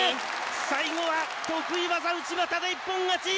最後は得意技内股で一本勝ち！